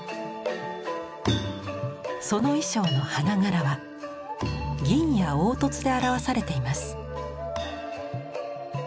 その衣装の花柄は銀や凹凸で表されています。